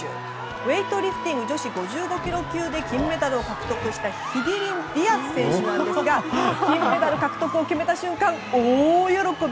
ウエイトリフティング女子５５ｋｇ級で金メダルを獲得したヒディリン・ディアス選手ですが金メダル獲得を決めた瞬間大喜び。